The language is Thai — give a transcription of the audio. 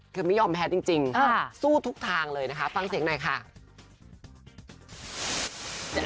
คือไม่ยอมแพ้จริงสู้ทุกทางเลยนะคะฟังเสียงหน่อยค่ะ